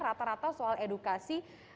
rata rata soal edukasi